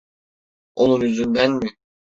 Onun yüzünden mi?